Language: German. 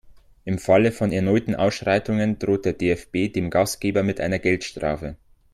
Im Falle von erneuten Ausschreitungen droht der DFB dem Gastgeber mit einer Geldstrafe.